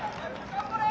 頑張れ！